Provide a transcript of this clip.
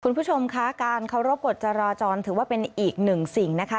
คุณผู้ชมคะการเคารพกฎจราจรถือว่าเป็นอีกหนึ่งสิ่งนะคะ